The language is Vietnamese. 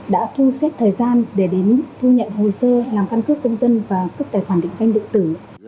đã thu xếp thời gian để đến thu nhận hồ sơ làm căn cước công dân và cấp tài khoản định danh điện tử